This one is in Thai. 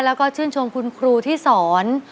แล้วก็ชื่นชมคุณครูที่สอน